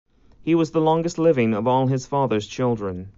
He was the longest living of all his father's children.